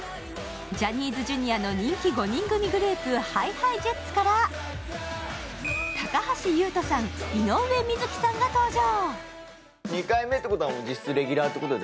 ジャニーズＪｒ．の人気５人組グループＨｉＨｉＪｅｔｓから、高橋優斗さん、井上瑞稀さんが登場！